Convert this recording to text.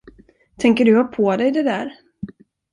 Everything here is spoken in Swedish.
Tänker du ha på dig det där?